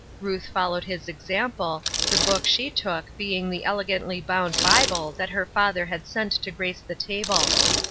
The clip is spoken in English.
Ruth followed his example, the book she took being the elegantly bound Bible that her father had sent to grace the table.